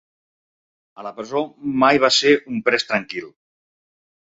A la presó mai va ser un pres tranquil.